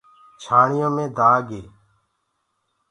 چآننهڻيو مي دآگ هي